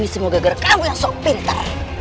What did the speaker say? ini semoga gara gara kamu yang sok pinter